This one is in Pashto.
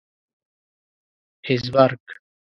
هېزبرګ.